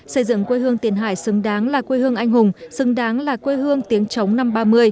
xây dựng quê hương tiền hải xứng đáng là quê hương anh hùng xứng đáng là quê hương tiếng chống năm ba mươi